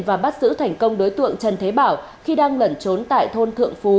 và bắt giữ thành công đối tượng trần thế bảo khi đang lẩn trốn tại thôn mỹ lộc xã xuân viên huyện nghị xuân